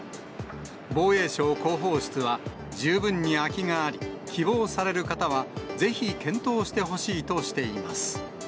防衛省広報室は、十分に空きがあり、希望される方はぜひ検討してほしいとしています。